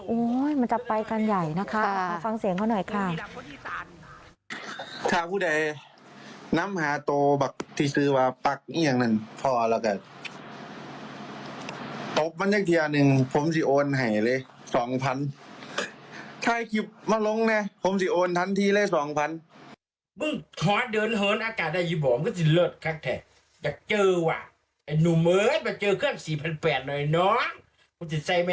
โอ้โหมันจะไปกันใหญ่นะคะฟังเสียงเขาหน่อยค่ะ